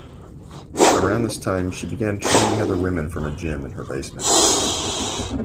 Around this time she began training other women from a gym in her basement.